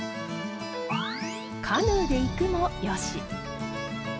カヌーで行くもよし。